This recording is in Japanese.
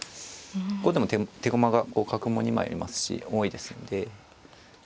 後手も手駒が角も２枚ありますし多いですので。